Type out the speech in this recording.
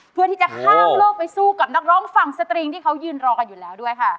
เพื่อที่จะข้ามโลกไปสู้กับนักร้องฝั่งสตริงที่เขายืนรอกันอยู่แล้วด้วยค่ะ